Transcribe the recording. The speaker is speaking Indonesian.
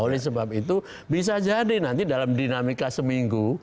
oleh sebab itu bisa jadi nanti dalam dinamika seminggu